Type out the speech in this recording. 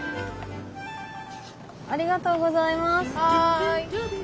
ありがとうございます。